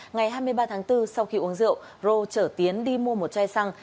ngày hai mươi ba tháng bốn sau khi uống rượu rô chở tiến đi mua một chai xăng